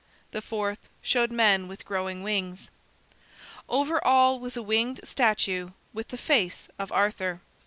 The fourth showed men with growing wings. Over all was a winged statue with the face of Arthur.